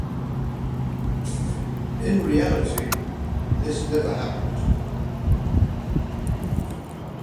In reality, this never happened.